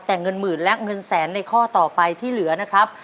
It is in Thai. แต่เงินหมื่นและเงินแสนในข้อต่อไปที่เหลือนะครับ